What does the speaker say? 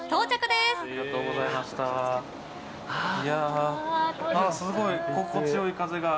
すごい、心地良い風が。